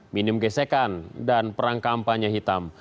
minim gesekan dan perang kampanye hitam